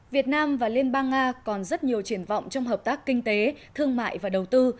việt nam và liên bang nga còn rất nhiều triển vọng trong hợp tác kinh tế thương mại và đầu tư